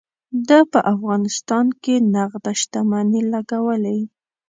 ده په افغانستان کې نغده شتمني لګولې.